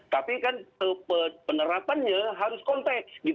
tapi kan penerapannya harus konteks